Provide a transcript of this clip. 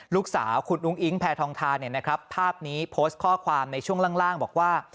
ลูกสาวคุณอุ้งอิ๊งแพทองทานภาพนี้โพสต์ข้อความในช่วงล่างบอกว่า